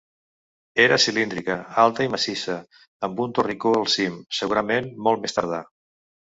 Era cilíndrica, alta i massissa, amb un torricó al cim, segurament molt més tardà.